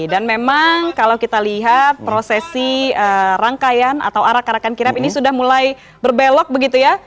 dan memang kalau kita lihat prosesi rangkaian atau arak arakan kirim ini sudah mulai berbelok begitu ya